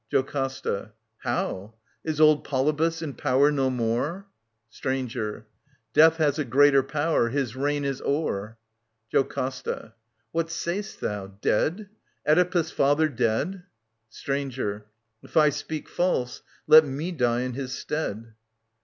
JOCASTA. How ? Is old Polybus in power no more ? Stranger. Death has a greater power. His reign is o*er. JoCASTA. What say*s t thou ? Dead ?... Oedipus' father dead ? Stranger. If I speak false, let me diejn^his stead.